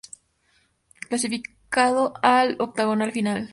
Clasificado al Octogonal Final.